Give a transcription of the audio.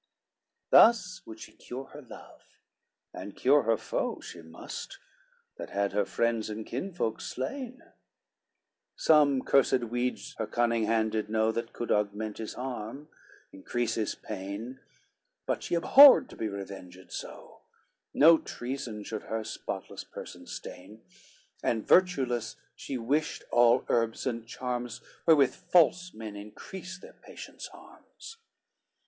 LXVIII Thus would she cure her love, and cure her foe She must, that had her friends and kinsfolk slain: Some cursed weeds her cunning hand did know, That could augment his harm, increase his pain; But she abhorred to be revenged so, No treason should her spotless person stain, And virtueless she wished all herbs and charms Wherewith false men increase their patients' harms.